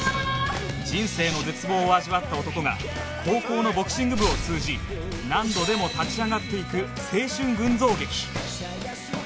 人生の絶望を味わった男が高校のボクシング部を通じ何度でも立ち上がっていく青春群像劇